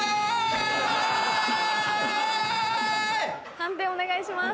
判定お願いします。